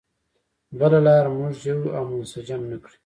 بله لار موږ یو او منسجم نه کړي.